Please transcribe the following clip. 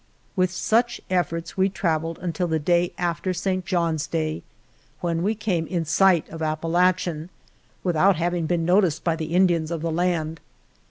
With such efforts we travelled until the day after St. John's Day, when we came in sight of Apalachen, without having been noticed by the Indians of the land.